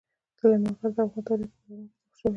سلیمان غر د افغان تاریخ په کتابونو کې ذکر شوی دي.